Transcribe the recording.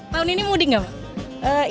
tahun ini mudik gak mbak